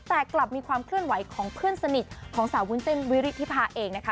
แต่กลับมีความเคลื่อนไหวของเพื่อนสนิทของสาววุ้นเส้นวิริธิภาเองนะคะ